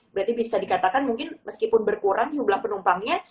berarti bisa dikatakan mungkin meskipun berkurang jumlah penumpangnya